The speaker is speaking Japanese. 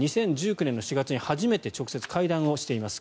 ２０１９年４月に初めて直接会談しています。